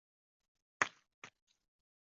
普瓦斯基县是美国乔治亚州中部的一个县。